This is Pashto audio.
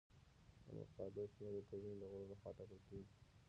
د مقالو شمیر د ټولنې د غړو لخوا ټاکل کیږي.